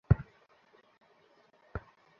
খোলাশা করে বলো?